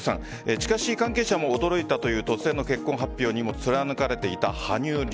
しかし、関係者も驚いたという突然の結婚発表にも貫かれていた羽生流。